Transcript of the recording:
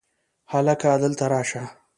هلکه! دلته راشه!